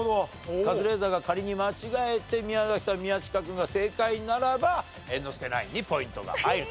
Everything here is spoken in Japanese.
カズレーザーが仮に間違えて宮崎さん宮近君が正解ならば猿之助ナインにポイントが入ると。